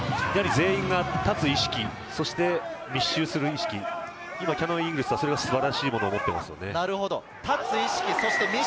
全員が立つ意識、密集する意識、キヤノンイーグルスは素晴らしいものを持っていますよね。